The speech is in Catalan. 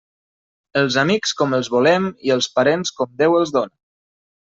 Els amics com els volem i els parents com Déu els dóna.